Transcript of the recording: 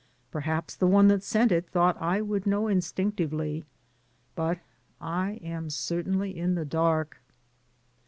Perhaps the one that sent it thought I would know instinctively, but I am certainly in the dark.